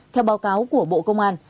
theo báo cáo của bộ công an